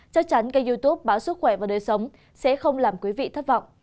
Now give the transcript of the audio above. chắc chắn kênh youtube báo sức khỏe và đời sống sẽ không làm quý vị thất vọng